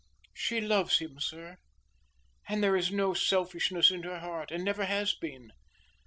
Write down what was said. She loves him, sir; and there is no selfishness in her heart and never has been.